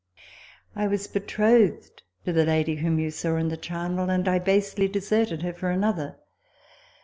I was betrothed to the lady whom you saw in the charnel ; and I basely deserted her for another.